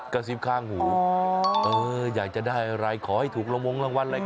กระซิบข้างหูเอออยากจะได้อะไรขอให้ถูกละมงละมวัลไหลก่อน